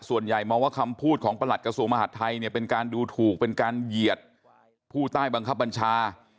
ส่วนใหญ่มองว่าคำพูดของประหลัดกระทรวงมหาดไทยเนี่ยเป็นการดูถูกเป็นการเหยียดผู้ใต้บังคับบัญชา